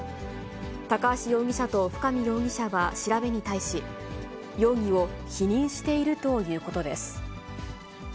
高橋容疑者と深見容疑者は調べに対し、容疑を否認しているということです。